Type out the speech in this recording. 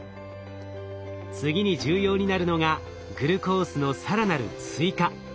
次に重要になるのがグルコースの更なる追加。